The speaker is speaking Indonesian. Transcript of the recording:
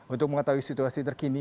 untuk mengetahui situasi terkini